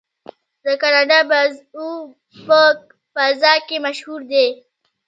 د کاناډا بازو په فضا کې مشهور دی.